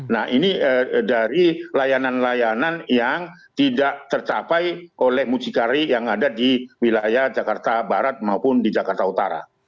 nah ini dari layanan layanan yang tidak tercapai oleh mucikari yang ada di wilayah jakarta barat maupun di jakarta utara